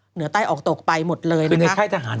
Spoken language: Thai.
เหนือใต้ออกตกไปหมดเลยนะคะ